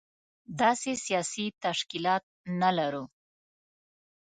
داسې سياسي تشکيلات نه لرو.